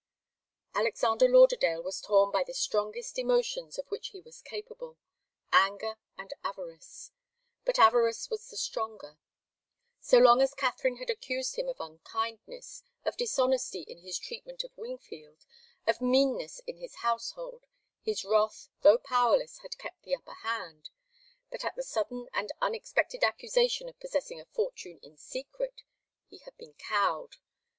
Alexander Lauderdale was torn by the strongest emotions of which he was capable anger and avarice. But avarice was the stronger. So long as Katharine had accused him of unkindness, of dishonesty in his treatment of Wingfield, of meanness in his household, his wrath, though powerless, had kept the upper hand. But at the sudden and unexpected accusation of possessing a fortune in secret, he had been cowed.